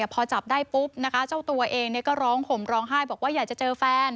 พอจับได้ปุ๊บนะคะเจ้าตัวเองก็ร้องห่มร้องไห้บอกว่าอยากจะเจอแฟน